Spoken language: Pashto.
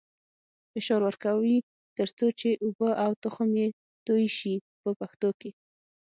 فشار ورکوي تر څو چې اوبه او تخم یې توی شي په پښتو کې.